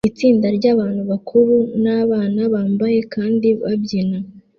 Itsinda ryabantu bakuru nabana bambaye kandi babyina